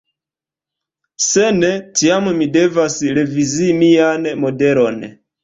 Se ne, tiam mi devas revizii mian modelon.